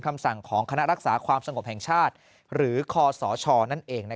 คำสั่งของคณะรักษาความสงบแห่งชาติหรือคศนั่นเอง